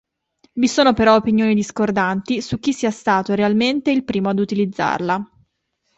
Vi sono però opinioni discordanti su chi sia stato realmente il primo ad utilizzarla.